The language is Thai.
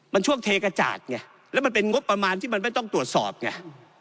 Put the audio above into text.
มันช่วงเทกระจาดไงแล้วมันเป็นงบประมาณที่มันไม่ต้องตรวจสอบไง